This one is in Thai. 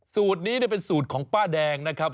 สูตรนี้เป็นสูตรของป้าแดงนะครับ